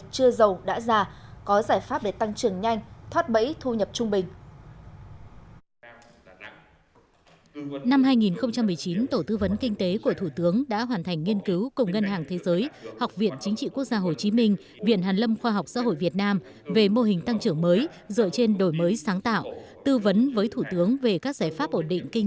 chưa giàu đã già có giải pháp để tăng trưởng nhanh thoát bẫy thu nhập trung bình